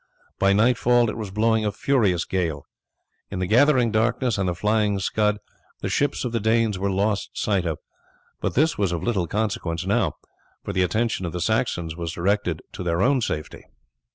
By nightfall it was blowing a furious gale. In the gathering darkness and the flying scud the ships of the Danes were lost sight of; but this was of little consequence now, for the attention of the Saxons was directed to their own safety.